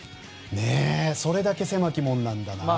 それだけ狭き門なんだなと。